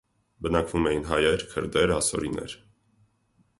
Բնակվում էին հայեր, քրդեր, ասորիներ։